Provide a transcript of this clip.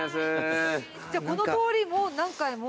じゃこの通りも何回も。